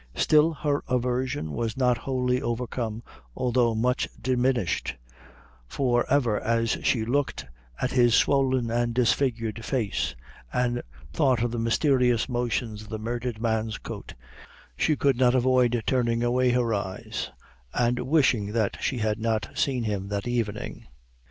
Still her aversion was not wholly overcome, although much diminished; for, ever as she looked at his swollen and disfigured face, and thought of the mysterious motions of the murdered man's coat, she could not avoid turning away her eyes, and wishing that she had not seen him that evening.